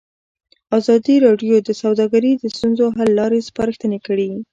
ازادي راډیو د سوداګري د ستونزو حل لارې سپارښتنې کړي.